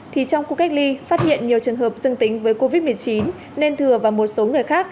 thì trong khu cách ly phát hiện nhiều trường hợp dương tính với covid một mươi chín nên thừa và một số người khác